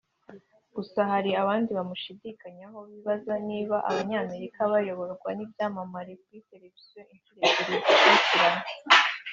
Gusa hari abandi bamushidikanyagaho bibaza niba Abanyamerika bayoborwa n’ibyamamare kuri Televiziyo inshuro ebyiri zikurikirana